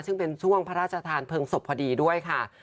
ซึ่งเป็นช่วงพระราชทานเพลิงศพพอดีด้วยค่ะ